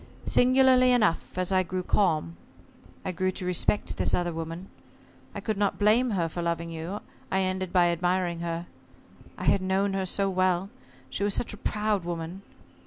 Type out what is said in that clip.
Singularly enough, as I grew calm, I grew to respect this other woman. I could not blame her for loving you. I ended by admiring her. I had known her so well she was such a proud woman!